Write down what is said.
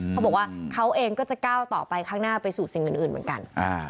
เขาบอกว่าเขาเองก็จะก้าวต่อไปข้างหน้าไปสู่สิ่งอื่นเหมือนกัน